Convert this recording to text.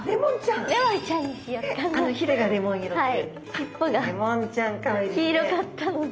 尻尾が黄色かったので。